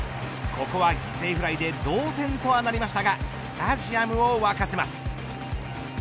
ここは犠牲フライで同点とはなりましたがスタジアムを沸かせます。